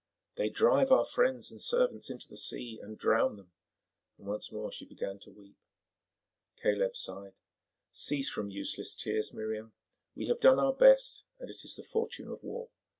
"They drive our friends and servants into the sea and drown them," and once more she began to weep. Caleb sighed. "Cease from useless tears, Miriam. We have done our best and it is the fortune of war.